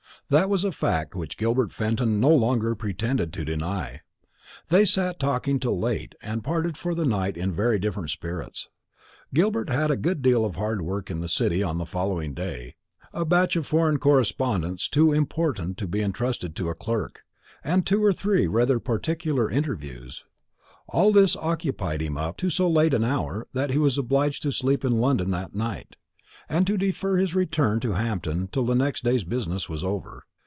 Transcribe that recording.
That was a fact which Gilbert Fenton no longer pretended to deny. They sat talking till late, and parted for the night in very different spirits. Gilbert had a good deal of hard work in the City on the following day; a batch of foreign correspondence too important to be entrusted to a clerk, and two or three rather particular interviews. All this occupied him up to so late an hour, that he was obliged to sleep in London that night, and to defer his return to Hampton till the next day's business was over.